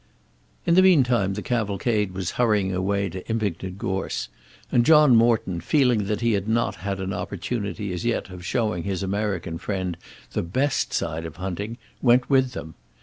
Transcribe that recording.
In the meantime the cavalcade was hurrying away to Impington Gorse, and John Morton, feeling that he had not had an opportunity as yet of showing his American friend the best side of hunting, went with them.